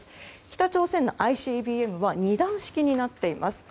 北朝鮮のＩＣＢＭは２段式になっています。